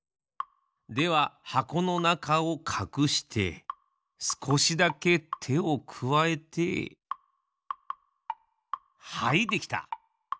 でははこのなかをかくしてすこしだけてをくわえてはいできた！